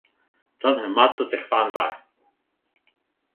真係咩都值返曬